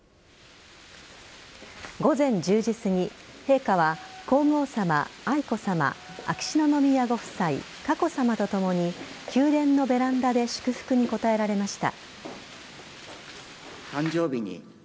午前１０時すぎ陛下は皇后さま、愛子さま秋篠宮ご夫妻佳子さまとともに宮殿のベランダで祝福に応えられました。